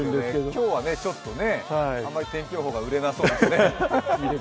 今日はちょっとね、あんまり天気予報が売れなそうですね。